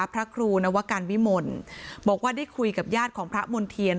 พระครูนวการวิมลบอกว่าได้คุยกับญาติของพระมณ์เทียน